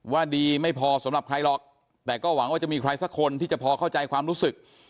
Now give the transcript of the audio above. ดีไม่พอสำหรับใครหรอกแต่ก็หวังว่าจะมีใครสักคนที่จะพอเข้าใจความรู้สึก